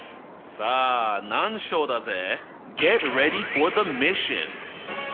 さあ難所だぜ！